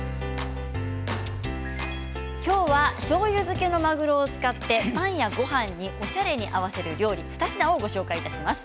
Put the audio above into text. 今日はしょうゆ漬けのまぐろを使ってパンやごはんにおしゃれに合わせる料理２品をご紹介します。